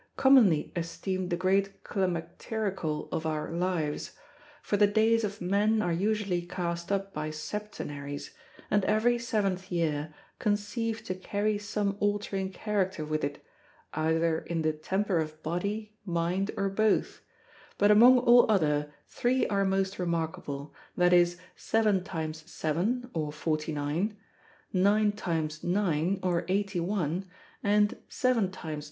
commonly esteemed the great Climactericall of our lives; for the dayes of men are usually cast up by septenaries, and every seventh yeare conceived to carry some altering character with it, either in the temper of body, minde, or both; but among all other, three are most remarkable, that is, 7. times 7. or forty nine, 9. times 9. or eighty one, and 7. times 9.